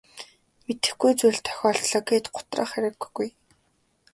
Мэдэхгүй зүйл тохиолдлоо гээд гутрах хэрэггүй.